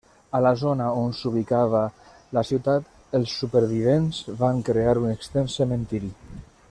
A la zona on s'ubicava la ciutat, els supervivents van crear un extens cementiri.